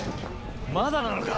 まだなのか！